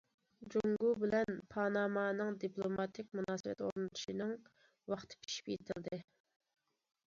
جۇڭگو بىلەن پانامانىڭ دىپلوماتىك مۇناسىۋەت ئورنىتىشىنىڭ ۋاقتى پىشىپ يېتىلدى.